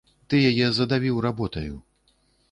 Ты яе задавіў работаю.